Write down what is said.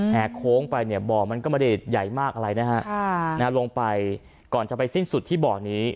โค้งไปเนี่ยบ่อมันก็ไม่ได้ใหญ่มากอะไรนะฮะลงไปก่อนจะไปสิ้นสุดที่บ่อนี้